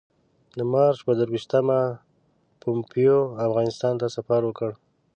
د مارچ پر درویشتمه پومپیو افغانستان ته سفر وکړ.